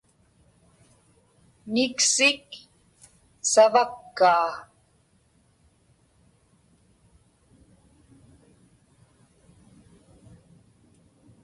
Niksik savakkaa.